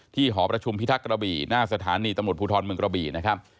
หอประชุมพิทักษ์กระบี่หน้าสถานีตำรวจภูทรเมืองกระบี่นะครับ